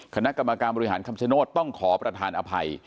คณะกรรมการบริหารคำชโนธต้องขอประธานอภัย